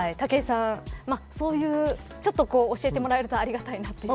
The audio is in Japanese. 武井さん、そういう教えてもらえるとありがたいなという。